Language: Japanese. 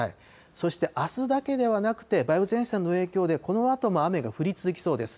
そしてあすだけではなくて、梅雨前線の影響で、このあとも雨が降り続きそうです。